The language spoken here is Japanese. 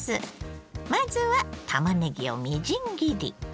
まずはたまねぎをみじん切り。